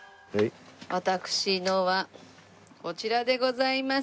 私のはこちらでございます。